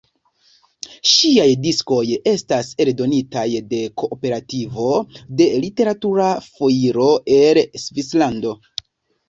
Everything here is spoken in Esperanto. Ŝiaj diskoj estas eldonitaj de Kooperativo de Literatura Foiro, el Svislando.